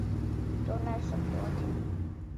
Tu nesaproti.